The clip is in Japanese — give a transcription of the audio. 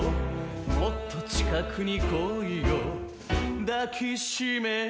「もっと近くに来いよ抱きしめてやる」